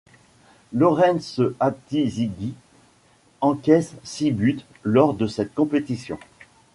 Lawrence Ati Zigi encaisse six buts lors de cette compétition.